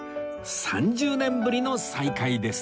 ３０年ぶりの再会です